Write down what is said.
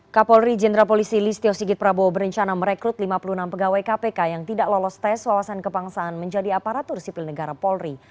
kapolri jenderal polisi listio sigit prabowo berencana merekrut lima puluh enam pegawai kpk yang tidak lolos tes wawasan kebangsaan menjadi aparatur sipil negara polri